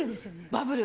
バブル。